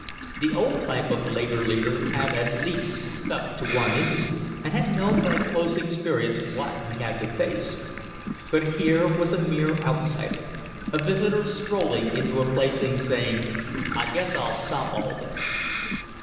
The old type of labor leader had at least stuck to one industry, and had known by close experience what he had to face. But here was a mere outsider, a visitor strolling into a place and saying, "I guess I'll stop all this."